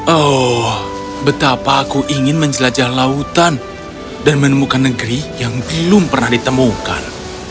oh betapa aku ingin menjelajah lautan dan menemukan negeri yang belum pernah ditemukan